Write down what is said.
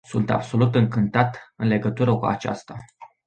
Sunt absolut încântat în legătură cu aceasta.